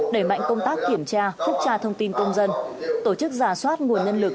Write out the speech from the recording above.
đẩy mạnh công tác kiểm tra phúc tra thông tin công dân tổ chức giả soát nguồn nhân lực